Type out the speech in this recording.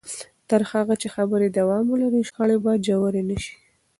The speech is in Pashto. تر هغه چې خبرې دوام ولري، شخړې به ژورې نه شي.